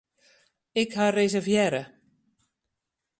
Ik ha reservearre.